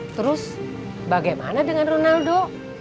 terus bagaimana dengan renaldo